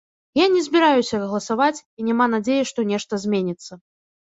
Я не збіраюся галасаваць і няма надзеі, што нешта зменіцца.